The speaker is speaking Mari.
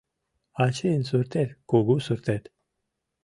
Ачийын суртет — кугу суртет